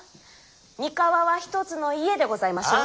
三河は一つの家でございましょう？